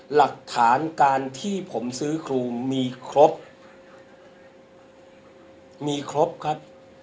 หลักฐานการที่ผมซื้อครูมีครบมีครบครับ